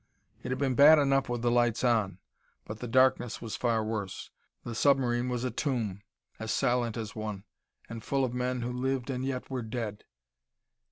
It had been bad enough with the lights on, but the darkness was far worse. The submarine was a tomb as silent as one, and full of men who lived and yet were dead.